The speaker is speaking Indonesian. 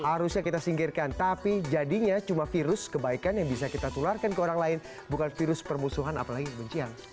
harusnya kita singkirkan tapi jadinya cuma virus kebaikan yang bisa kita tularkan ke orang lain bukan virus permusuhan apalagi kebencian